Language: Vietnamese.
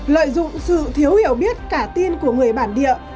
lợi dụng sự thiếu hiểu biết cả tin của người bản địa